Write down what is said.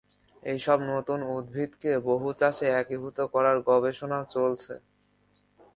এসব নতুন উদ্ভিদকে বহুচাষে একীভূত করার গবেষণাও চলছে।